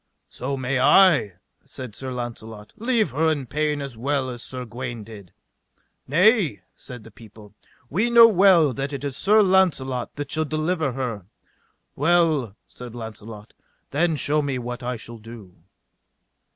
So may I, said Sir Launcelot, leave her in pain as well as Sir Gawaine did. Nay, said the people, we know well that it is Sir Launcelot that shall deliver her. Well, said Launcelot, then shew me what I shall do.